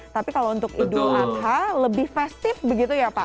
tapi kalau untuk idul adha lebih festip begitu ya pak